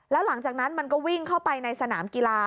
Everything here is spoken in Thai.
แล้วหลังจากนั้นมันก็วิ่งเข้าไปในสนามกีฬา